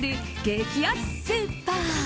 激安スーパー。